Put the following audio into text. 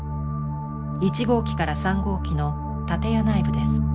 １号機から３号機の建屋内部です。